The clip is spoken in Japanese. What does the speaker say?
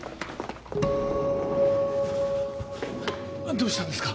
どうしたんですか？